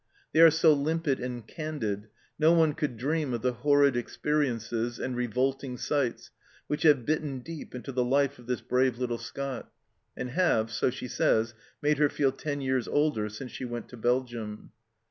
They are so limpid and candid, no one could dream of the horrid experiences and revolting sights which have bitten deep into the life of this brave little Scot, and have, so she says, made her feel ten years older since she went to Belgium.